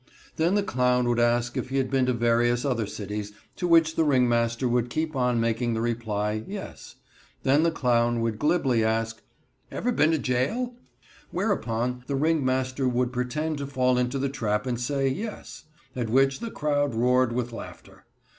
Then the clown would ask if he had been to various other cities, to which the ringmaster would keep on making the reply "Yes." Then the clown would glibly ask: "Ever been to jail?" Whereupon the ringmaster would pretend to fall into the trap and say "Yes," at which the crowd roared with laughter.